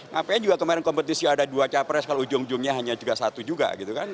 ngapain juga kemarin kompetisi ada dua capres kalau ujung ujungnya hanya satu juga